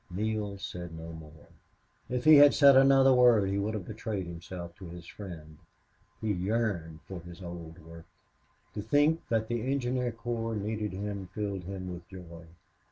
Neale said no more. If he had said another word he would have betrayed himself to his friend. He yearned for his old work. To think that the engineer corps needed him filled him with joy.